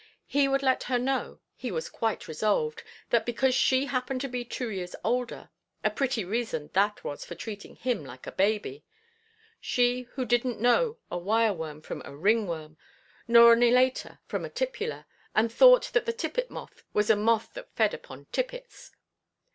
He would let her know, he was quite resolved, that because she happened to be two years older—a pretty reason that was for treating him like a baby! She who didnʼt know a wire–worm from a ring–worm, nor an elater from a tipula, and thought that the tippet–moth was a moth that fed upon tippets!